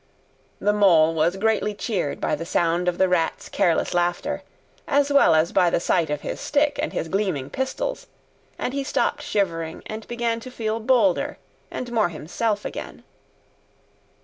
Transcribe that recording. The Mole was greatly cheered by the sound of the Rat's careless laughter, as well as by the sight of his stick and his gleaming pistols, and he stopped shivering and began to feel bolder and more himself again.